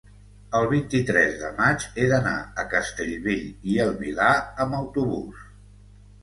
el vint-i-tres de maig he d'anar a Castellbell i el Vilar amb autobús.